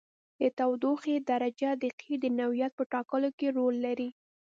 د تودوخې درجه د قیر د نوعیت په ټاکلو کې رول لري